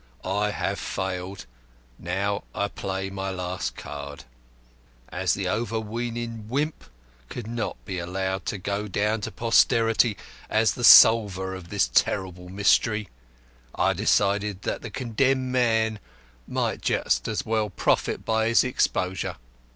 I have failed. Now I play my last card. As the overweening Wimp could not be allowed to go down to posterity as the solver of this terrible mystery, I decided that the condemned man might just as well profit by his exposure.